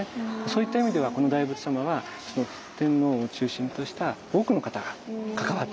そういった意味ではこの大仏様は天皇を中心とした多くの方が関わってつくった仏像。